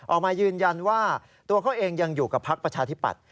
ออกมายืนยันว่าตัวเขาเองยังอยู่กับพักประชาธิปัตย